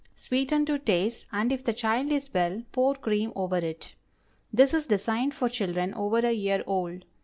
Sweeten to taste, and if the child is well, pour cream over it. This is designed for children over a year old.